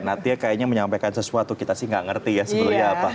natia kayaknya menyampaikan sesuatu kita sih nggak ngerti ya